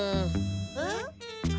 えっ？